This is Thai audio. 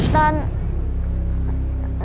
แต่